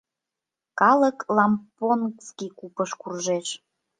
Калык лампонгский купыш куржеш...